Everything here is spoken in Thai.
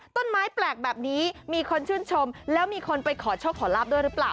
ต้นไม้แปลกแบบนี้มีคนชื่นชมแล้วมีคนไปขอโชคขอลาบด้วยหรือเปล่า